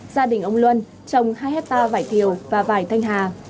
gia đình ông luân trồng hai hectare vải thiều và vải thanh hà